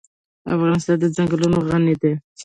افغانستان په ځنګلونه غني دی.